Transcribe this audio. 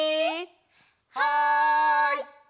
はい！